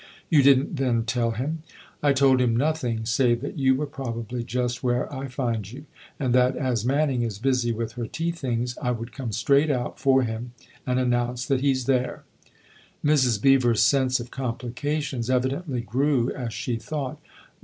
" You didn't then tell him ?"" I told him nothing save that you were probably just where I find you, and that, as Manning is busy with her tea things, I would come straight out for him and announce that he's there." Mrs. Beever's sense of complications evidently grew as she thought.